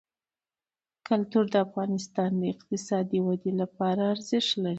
کلتور د افغانستان د اقتصادي ودې لپاره ارزښت لري.